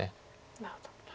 なるほど。